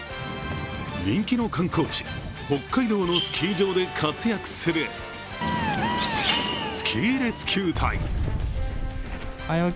人気の観光地・北海道のスキー場で活躍するスキーレスキュー隊。